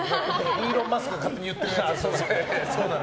イーロン・マスクが勝手に言ってるやつなんで。